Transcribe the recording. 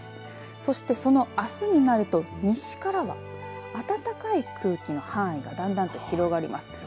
そしてそのあすになると西からは暖かい空気の範囲がだんだんと広がります。